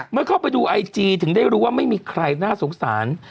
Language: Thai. เข้าไปดูไอจีถึงได้รู้ว่าไม่มีใครน่าสงสาร